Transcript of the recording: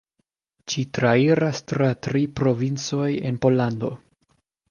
Ĝi trairas tra tri provincoj en Pollando.